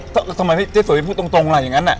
แล้วทำไมพี่เจ้ยสวยพูดตรงอะไรอย่างนั้นอ่ะ